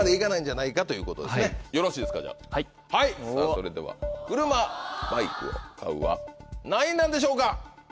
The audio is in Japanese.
それでは車・バイクを買うは何位なんでしょうか？